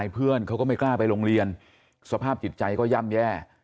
เพื่อนเขาก็ไม่กล้าไปโรงเรียนสภาพจิตใจก็ย่ำแย่